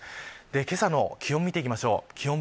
けさの気温を見ていきましょう。